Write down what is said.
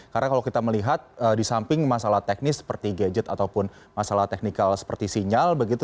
karena kalau kita melihat di samping masalah teknis seperti gadget ataupun masalah teknikal seperti sinyal begitu